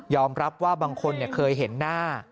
รับว่าบางคนเคยเห็นหน้า